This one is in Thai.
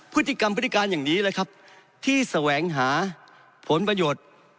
พฤติกรรมพฤติการอย่างนี้เลยครับที่แสวงหาผลประโยชน์